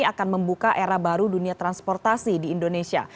akan membuka era baru dunia transportasi di indonesia